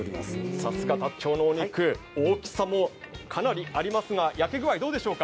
さすがダチョウのお肉大きさもかなりありますが焼き具合、どうでしょうか？